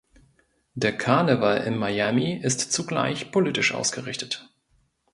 Der Karneval in Miami ist zugleich politisch ausgerichtet.